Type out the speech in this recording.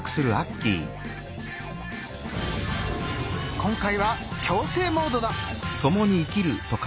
今回は「共生モード」だ！